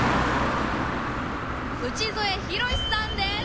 内添浩さんです！